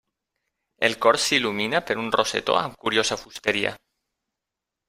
El cor s'il·lumina per un rosetó amb curiosa fusteria.